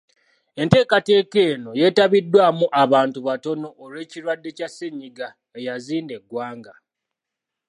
Enteekateeka eno yeetabiddwamu abantu batono olw’ekirwadde kya ssennyiga eyazinda eggwanga.